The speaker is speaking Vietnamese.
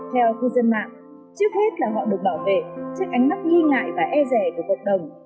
theo cư dân mạng trước hết là họ được bảo vệ trước ánh mắt nghi ngại và e rè của cộng đồng